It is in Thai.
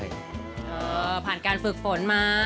ผ่านการฝึกฝนมา